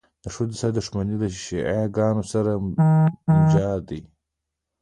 له ښځو سره دښمني، له شیعه ګانو سره مجادله.